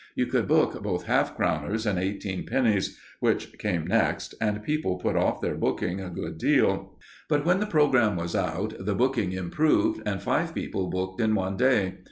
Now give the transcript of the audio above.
You could book both half crowners and eighteen pennies, which came next, and people put off their booking a good deal. But when the programme was out, the booking improved, and five people booked in one day.